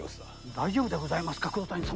大丈夫でございますか黒谷様？